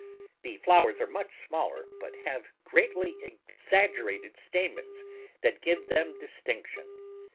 The flowers are much smaller, but have greatly exag gerated stamens that give them distinction.